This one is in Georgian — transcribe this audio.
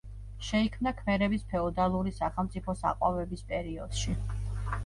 შეიქმნა ქმერების ფეოდალური სახელმწიფოს აყვავების პერიოდში.